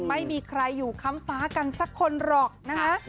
ไม่มีใครอยู่ค้ำฟ้ากันสักคนหรอกนะคะ